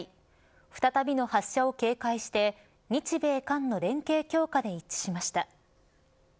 再びの発射を警戒して日米韓の連携強化で一致しました。